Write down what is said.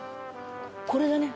これがね